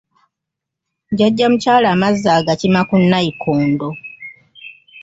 Jjajja mukyala amazzi agakima ku nnayikondo.